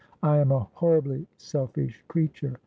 I am a horribly selfish creature.